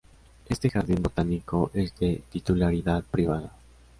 Este jardín botánico es de titularidad privada.